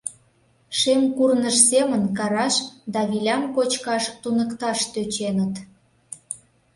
Шем курныж семын караш да вилям кочкаш туныкташ тӧченыт.